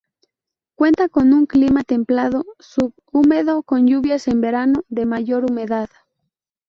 Cuenta con un clima templado subhúmedo con lluvias en verano, de mayor humedad.